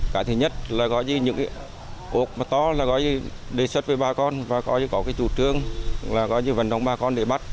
cái thứ nhất là những ốc mà to là đề xuất với bà con và có chủ trương là vận động bà con để bắt